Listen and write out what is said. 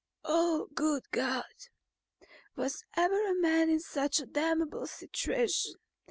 "Oh, good God! Was ever a man in such a damnable situation?